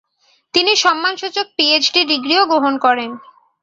তিনি সম্মানসূচক পিএইচডি ডিগ্রিও গ্রহণ করেন।